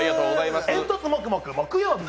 煙突もくもく、木曜日！